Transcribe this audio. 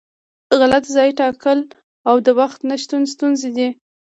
غلط ځای ټاکل او د وخت نشتون ستونزې دي.